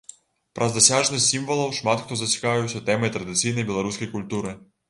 Праз дасяжнасць сімвалаў шмат хто зацікавіўся тэмай традыцыйнай беларускай культуры.